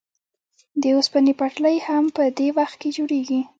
د اوسپنې پټلۍ هم په دې وخت کې جوړېږي